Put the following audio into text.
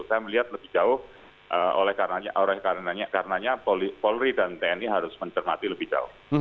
saya melihat lebih jauh karenanya polri dan tni harus mencermati lebih jauh